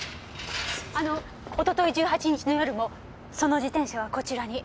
あの一昨日１８日の夜もその自転車はこちらに？